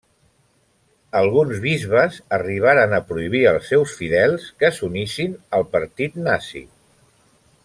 Alguns bisbes arribaren a prohibir als seus fidels que s'unissin al Partit Nazi.